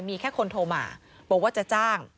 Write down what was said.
มีแค่คนโทรมาบอกว่าจะจ้าง